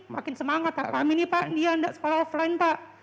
makin semangat pak kami ini pak dia udah sekolah offline pak